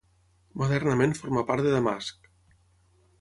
Modernament forma part de Damasc.